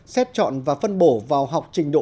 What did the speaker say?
xét chọn và phân bổ vào học trình độ